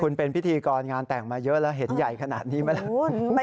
คุณเป็นพิธีกรงานแต่งมาเยอะแล้วเห็นใหญ่ขนาดนี้ไหมล่ะคุณ